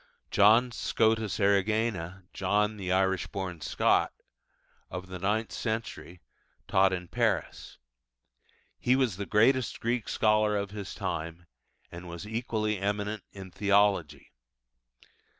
John Scotus Erigena ('John the Irish born Scot') of the ninth century taught in Paris; he was the greatest Greek scholar of his time, and was equally eminent in Theology.